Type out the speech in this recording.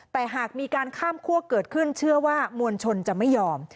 แต่หากมีการข้ามคั่วเกิดขึ้นเชื่อว่ามวลชนจะไม่ยอม